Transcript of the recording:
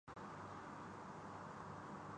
سوال یہ ہے کہ اس تعلق کو خطرات کب لاحق ہوتے ہیں؟